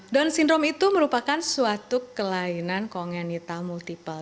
down syndrome itu merupakan suatu kelainan kongenital multiple